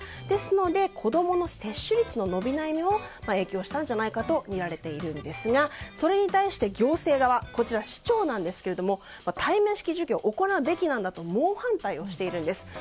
ですので子供の接種率の伸び悩みも影響したんじゃないかとみられていますがそれに対して、行政側こちら市長なんですけれども対面式授業を行うべきなんだと猛反対をしているんです。